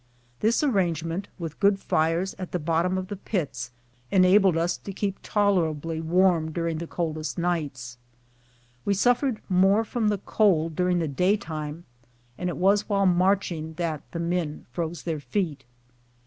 This ar rangement, with good fires at the bottom of the pits, ena bled us to keep tolerably warm during the coldest nights. We suffered more from the cold during the daytime, and it was while marching that the men froze their feet.